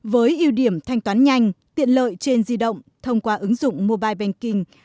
với ưu điểm thanh toán nhanh tiện lợi trên di động thông qua ứng dụng mobile banking